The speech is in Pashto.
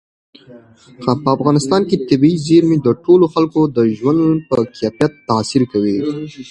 په افغانستان کې طبیعي زیرمې د ټولو خلکو د ژوند په کیفیت تاثیر کوي.